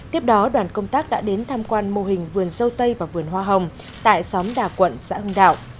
tiếp đó đoàn công tác đã đến tham quan mô hình vườn dâu tây và vườn hoa hồng tại xóm đà quận xã hưng đạo